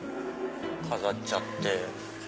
飾っちゃって。